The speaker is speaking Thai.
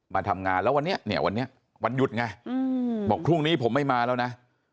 มาทำงานแล้ววันนี้เนี่ยวันนี้วันหยุดไงบอกพรุ่งนี้ผมไม่มาแล้วนะ